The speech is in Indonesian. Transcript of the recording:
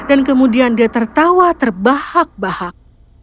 dan kemudian dia tertawa terbahak bahak